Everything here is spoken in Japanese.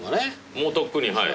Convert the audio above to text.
もうとっくにはい。